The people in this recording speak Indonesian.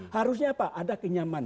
harusnya apa ada kenyamanan